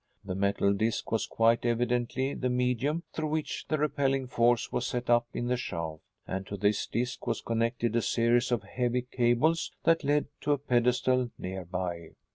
The metal disc was quite evidently the medium through which the repelling force was set up in the shaft, and to this disc was connected a series of heavy cables that led to a pedestal nearby.